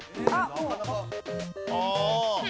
ああ！